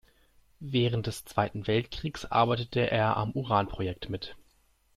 Während des Zweiten Weltkriegs arbeitete er am Uranprojekt mit.